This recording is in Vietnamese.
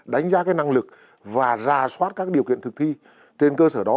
đánh giá năng lực và ra soát các điều kiện thực thi trên cơ sở đó